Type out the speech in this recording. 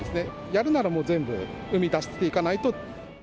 やるなら全部、うみ出していかないと。